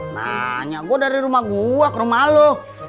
nanya gua dari rumah gua ke rumah lo